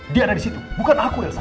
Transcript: dia ada disitu bukan aku yelza